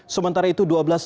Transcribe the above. sementara itu dua belas